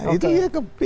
itu ya ke bin